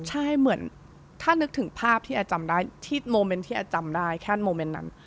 ใช่เหมือนถ้านึกถึงภาพที่แอจำได้ที่โมเมนต์ที่แอจำได้แค่โมเมนต์นั้น